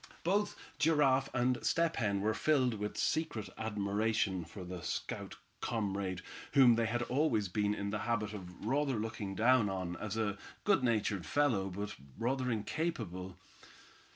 Both Giraffe and Step Hen were filled with secret admiration for the stout comrade whom they had always been in the habit of rather looking down on as a good natured fellow, but rather incapable.